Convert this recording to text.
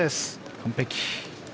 完璧。